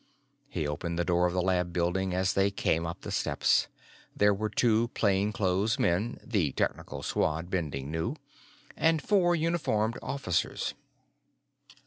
He opened the door of the lab building as they came up the steps. There were two plainclothes men the Technical Squad, Bending knew and four uniformed officers.